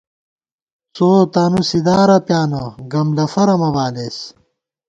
څو تانُو سِدارہ پیانہ گم لفَرہ مہ بالېس